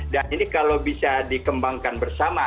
dan ini kalau bisa dikembangkan bersama